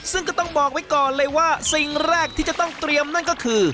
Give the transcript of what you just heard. ซึ่งก็ต้องบอกไว้ก่อนเลยว่าสิ่งแรกที่จะต้องเตรียมนั่นก็คือ